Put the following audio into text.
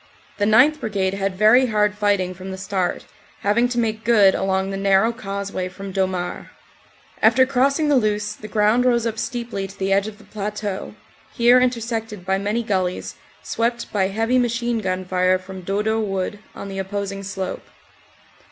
The 9th. Brigade had very hard fighting from the start, having to make good along the narrow causeway from Domart After crossing the Luce the ground 42 OPERATIONS: AUG. 8. CONTINUED 43 rose up steeply to the edge of the plateau, here intersected by many gullies, swept by heavy machine gun fire from Dodo wood on the opposing slope.